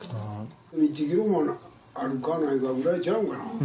１キロもあるかないかぐらいちゃうんかな。